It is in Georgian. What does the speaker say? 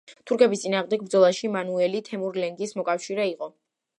თურქების წინააღმდეგ ბრძოლაში მანუელი თემურ-ლენგის მოკავშირე იყო.